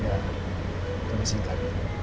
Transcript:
ya lebih singkat